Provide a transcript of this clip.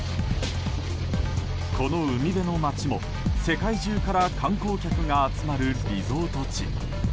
この海辺の街も世界中から観光客が集まるリゾート地。